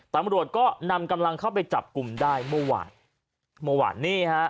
ตำรวจก็นำกำลังเข้าไปจับกลุ่มได้เมื่อวาน